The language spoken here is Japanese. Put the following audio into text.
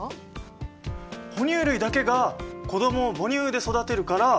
哺乳類だけが子どもを母乳で育てるから。